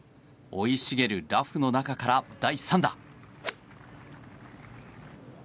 生い茂るラフの中から第３打。